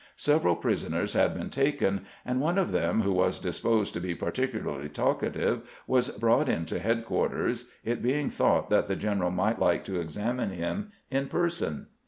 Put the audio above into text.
Several prisoners had been taken, and one of them who was disposed to be particularly talkative was brought in to headquarters, it being thought that the general might like to examine him in person.